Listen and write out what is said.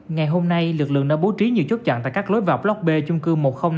ngày hôm nay lực lượng đã bố trí nhiều chốt chặn tại các lối vào block b chung cư một nghìn năm mươi